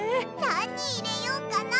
なにいれようかな？